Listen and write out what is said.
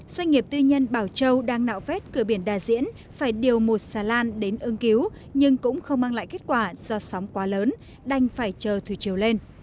doanh nghiệp tư nhân bảo châu đang nạo vét cửa biển đà diễn phải điều một xà lan đến ưng cứu nhưng cũng không mang lại kết quả do sóng quá lớn đành phải chờ thủy chiều lên